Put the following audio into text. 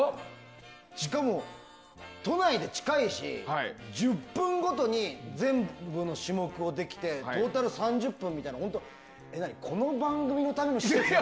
しかも都内で近いし１０分ごとに全部の種目ができてトータル３０分みたいな本当、この番組のためにあるのみたいな。